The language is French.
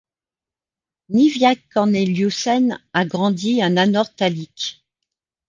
Niviaq Korneliussen a grandi à Nanortalik.